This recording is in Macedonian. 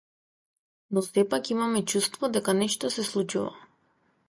Но сепак имаме чувство дека нешто се случува.